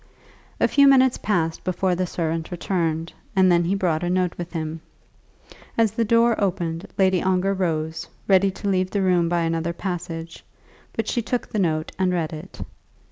A few minutes passed before the servant returned, and then he brought a note with him. As the door opened Lady Ongar rose, ready to leave the room by another passage; but she took the note and read it.